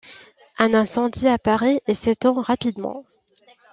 Un incendie apparaît et s'étend rapidement.